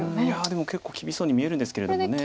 いやでも結構厳しそうに見えるんですけれども。